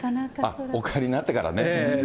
お帰りになってからね。